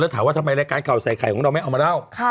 ถามว่าทำไมรายการข่าวใส่ไข่ของเราไม่เอามาเล่า